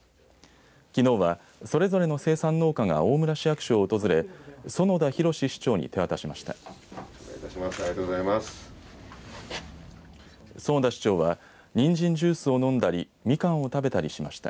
きのうは、それぞれの生産農家が大村市役所を訪れ園田裕史市長に手渡しました。